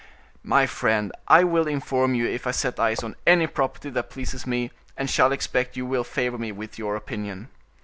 '" "My friend, I will inform you if I set eyes on any property that pleases me, and shall expect you will favor me with your opinion."